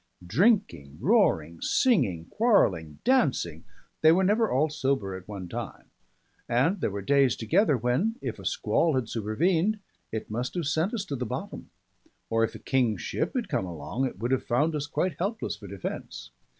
Drinking, roaring, singing, quarrelling, dancing, they were never all sober at one time; and there were days together when, if a squall had supervened, it must have sent us to the bottom; or if a King's ship had come along, it would have found us quite helpless for defence.